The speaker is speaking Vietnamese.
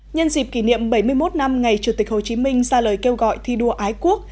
nhân dịp kỷ niệm bảy mươi một năm ngày chủ tịch hồ chí minh ra lời kêu gọi thi đua ái quốc